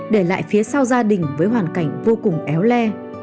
để lại phía sau gia đình với hoàn cảnh vô cùng éo le